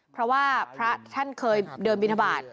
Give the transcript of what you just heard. เพราะว่าพระท่านเคยเดินบินทบาท